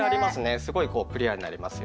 すごいこうクリアになりますよね。